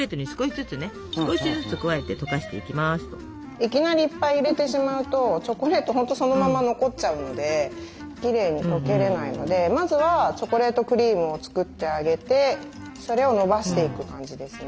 いきなりいっぱい入れてしまうとチョコレート本当そのまま残っちゃうのできれいにとけれないのでまずはチョコレートクリームを作ってあげてそれをのばしていく感じですね。